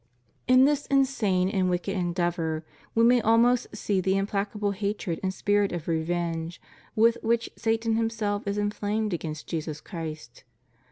In this insane and wicked endeavor we may almost see the implacable hatred and spirit of revenge with which Satan himself is inflamed against Jesus Christ.